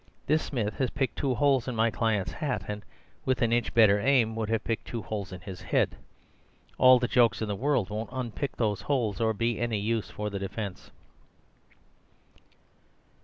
This Smith has picked two holes in my client's hat, and with an inch better aim would have picked two holes in his head. All the jokes in the world won't unpick those holes or be any use for the defence."